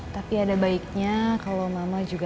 tapi ada baiknya kalau mama juga